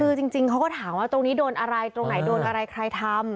คือจริงเขาก็ถามว่าตรงนี้โดนอะไรตรงไหนโดนอะไรใครทำ